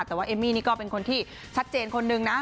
แต่ว่าเอมมี่นี่ก็เป็นคนที่ชัดเจนคนนึงนะ